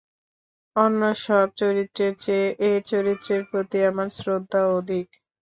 অন্য সব চরিত্রের চেয়ে এঁর চরিত্রের প্রতি আমার শ্রদ্ধা অধিক।